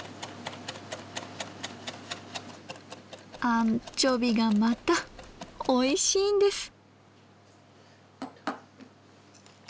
アンチョビがまたおいしいんです！